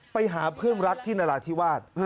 ไปหาเพื่อนรักที่นราธิวาส